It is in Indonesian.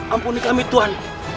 ampuni kami tuhan